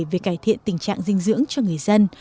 về cải thiện tình trạng dinh dưỡng cho người dân